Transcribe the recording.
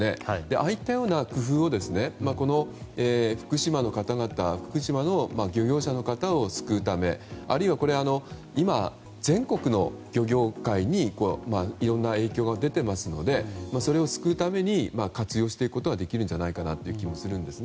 ああいった工夫を福島の漁業者の方々を救うためあるいは、今全国の漁業界にいろいろな影響が出ていますのでそれを救うために活用していくことができるんじゃないかなという気がします。